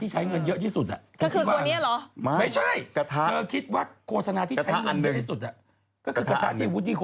ใช่อยู่ที่กล้างดุย